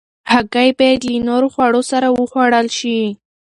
هګۍ باید له نورو خوړو سره وخوړل شي.